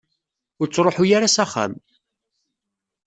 Ur ttruḥu ara s axxam.